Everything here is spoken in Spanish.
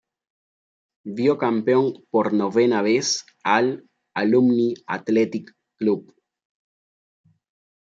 Vio campeón por novena vez al Alumni Athletic Club.